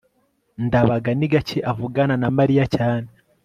ndabaga ni gake avugana na mariya cyane